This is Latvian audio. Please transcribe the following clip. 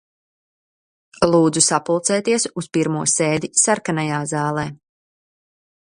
Lūdzu sapulcēties uz pirmo sēdi Sarkanajā zālē.